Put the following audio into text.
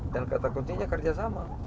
dan kata kuncinya kerjasama